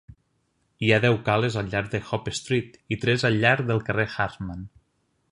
Hi ha deu cales al llarg de Hope Street i tres al llarg del carrer Hardman.